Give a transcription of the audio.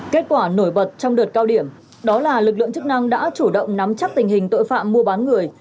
kết quả nổi bật trong đợt cao điểm đó là lực lượng chức năng đã chủ động nắm chắc tình hình tội phạm mua bán người